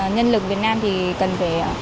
nhân lực việt nam thì cần phải